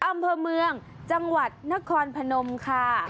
อำเภอเมืองจังหวัดนครพนมค่ะ